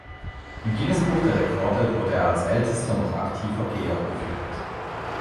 Im Guinness-Buch der Rekorde wurde er als ältester noch aktiver Geher geführt.